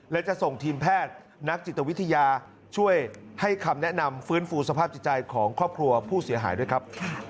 และจะส่งทีมแพทย์นักจิตวิทยาช่วยให้คำแนะนำฟื้นฟูสภาพจิตใจของครอบครัวผู้เสียหายด้วยครับ